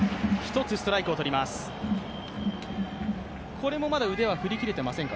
これもまだ腕は振り切れてないですか？